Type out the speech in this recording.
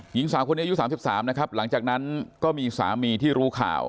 หญิงสาวคนนี้อายุ๓๓นะครับหลังจากนั้นก็มีสามีที่รู้ข่าว